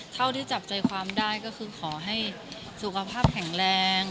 เท่าที่จับใจความได้ก็คือขอให้สุขภาพแข็งแรง